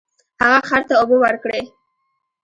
هغه خر ته اوبه ورکړې.